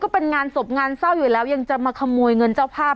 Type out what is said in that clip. พักพักพัก